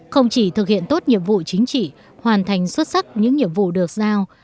không chỉ thực hiện tốt nhiệm vụ chính trị hoàn thành xuất sắc những nhiệm vụ được giao